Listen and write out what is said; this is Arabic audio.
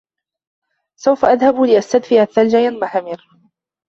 سوف أذهب لأستدفئ. الثلج ينهمر.